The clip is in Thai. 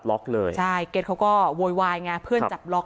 พระเจ้าอาวาสกันหน่อยนะครับ